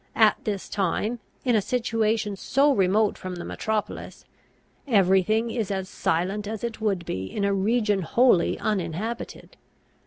At this time, in a situation so remote from the metropolis, every thing is as silent as it would be in a region wholly uninhabited.